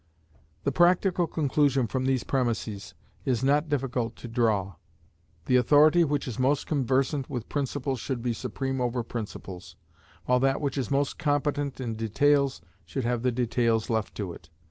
The practical conclusion from these premises is not difficult to draw. The authority which is most conversant with principles should be supreme over principles, while that which is most competent in details should have the details left to it.